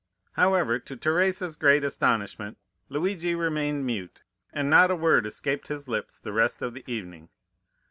"However, to Teresa's great astonishment, Luigi remained mute, and not a word escaped his lips the rest of the evening.